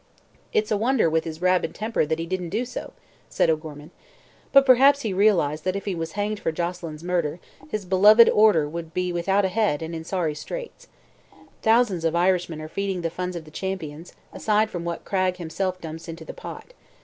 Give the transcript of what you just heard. "It's a wonder, with his rabid temper, that he didn't do so," said O'Gorman. "But perhaps he realized that if he was hanged for Joselyn's murder his beloved Order would be without a head and in sorry straits. Thousands of Irishmen are feeding the funds of the Champions, aside from what Cragg himself dumps into the pot.